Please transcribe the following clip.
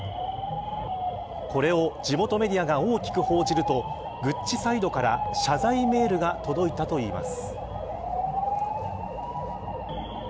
これを地元メディアが大きく報じるとＧＵＣＣＩサイドから謝罪メールが届いたといいます。